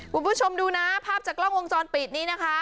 คุณผู้ชมดูนะภาพจากกล้องวงจรปิดนี้นะคะ